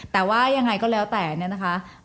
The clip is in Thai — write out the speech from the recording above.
แต่ว่ายังไงก็แล้วแต่เนี่ยนะคะ